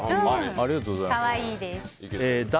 ありがとうございます。